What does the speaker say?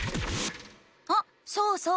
あそうそう！